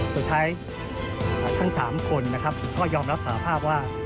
สุดท้ายทั้ง๓คนนะครับก็ยอมรับสาภาพว่า